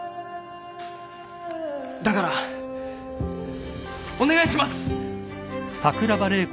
だからお願いします！